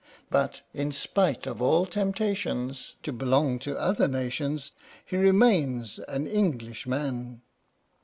But, in spite of all temptations To belong to other nations, He remains an Englishman!